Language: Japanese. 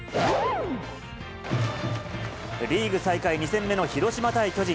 リーグ再開２戦目の広島対巨人。